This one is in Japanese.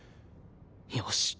よし！